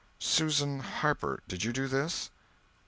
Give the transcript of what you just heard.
"Susan Harper, did you do this?"